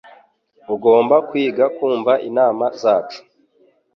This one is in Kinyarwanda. Ugomba kwiga kumva inama zacu.